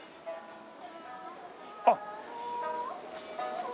あっ！